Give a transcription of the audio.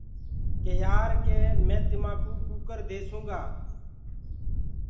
ڪي يآر ڪي مي تمآ ڪوُ ڪٚڪَر ديسونٚ گا۔